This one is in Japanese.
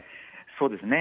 そうですね。